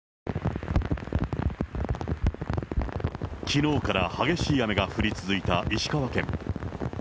きのうから激しい雨が降り続いた石川県。